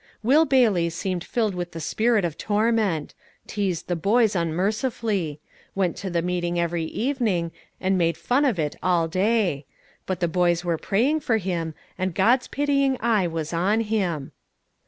Will Bailey seemed filled with the spirit of torment; teased the boys unmercifully; went to the meeting every evening, and made fun of it all day: but the boys were praying for him, and God's pitying eye was on him.